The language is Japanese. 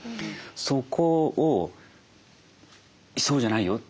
そこを「そうじゃないよ。